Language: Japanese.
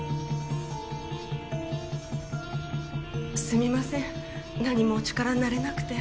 すみません何もお力になれなくて。